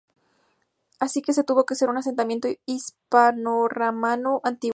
Así que tuvo que ser un asentamiento hispanorromano antiguo.